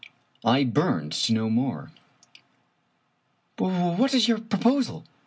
I burned to know more. "What is your proposal?"